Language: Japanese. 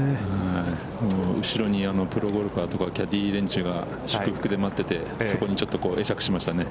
後ろにプロゴルファーとか、キャディー連中が、祝福で待ってて、そこにちょっと会釈しましたね。